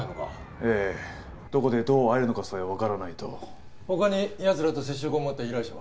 ええどこでどう会えるのかさえ分からないと他にやつらと接触を持った依頼者は？